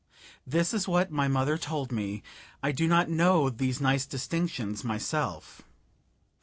This is what my mother told me, I do not know these nice distinctions myself.